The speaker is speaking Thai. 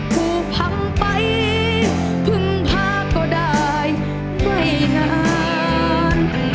ผูกพังไปพึ่งพาก็ได้ไม่นาน